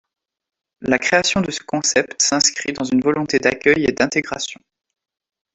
La création de ce concept s'inscrit dans une volonté d'accueil et d'intégration.